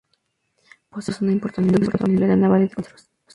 Posee aserraderos y una importante industria papelera, naval y de conservas.